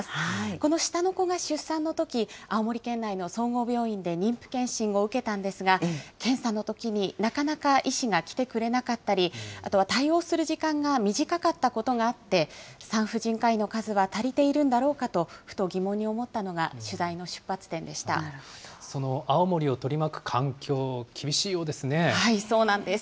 この下の子が出産のとき、青森県内の総合病院で妊婦健診を受けたんですが、検査のときになかなか医師が来てくれなかったり、あとは対応する時間が短かったことがあって、産婦人科医の数は足りているんだろうかと、ふと疑問に思ったのが、その青森を取り巻く環境、厳そうなんです。